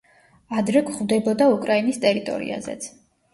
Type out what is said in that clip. ადრე გვხვდებოდა უკრაინის ტერიტორიაზეც.